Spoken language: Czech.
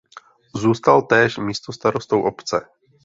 Zůstal též místostarostou obce.